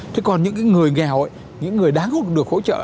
thế còn những cái người nghèo những người đáng được hỗ trợ